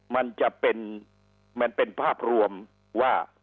มันจะเป็นมันเป็นภาพรวมว่า